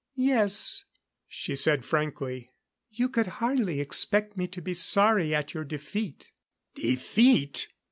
"Yes," she said frankly. "You could hardly expect me to be sorry at your defeat." "Defeat?"